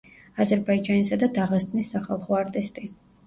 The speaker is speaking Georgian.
აზერბაიჯანისა და დაღესტნის სახალხო არტისტი.